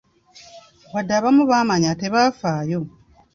Wadde abamu baamanya tebaafayo.